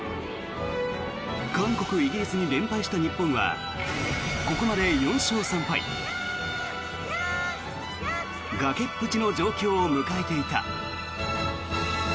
韓国、イギリスに連敗した日本はここまで４勝３敗崖っぷちの状況を迎えていた。